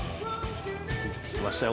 行ってきましたよ